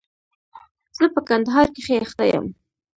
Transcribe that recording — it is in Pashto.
زه په کندهار کښي اخته يم.